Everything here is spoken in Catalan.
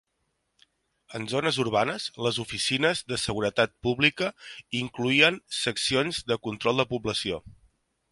En zones urbanes, les oficines de seguretat pública incloïen seccions de control de població.